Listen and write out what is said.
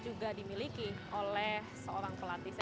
kita berbicara kita siamo dengan kekayaan tych tan